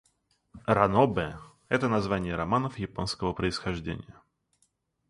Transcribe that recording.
Ранобэ — это название романов японского происхождения.